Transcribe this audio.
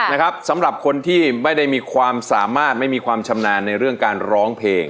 นะครับสำหรับคนที่ไม่ได้มีความสามารถไม่มีความชำนาญในเรื่องการร้องเพลง